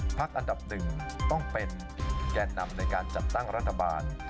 อันดับหนึ่งต้องเป็นแก่นำในการจัดตั้งรัฐบาล